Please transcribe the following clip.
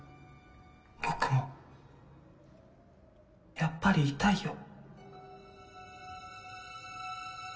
僕もやっぱり痛いよ